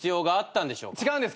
違うんです